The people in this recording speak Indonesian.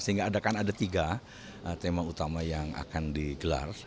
sehingga ada tiga tema utama yang akan digelar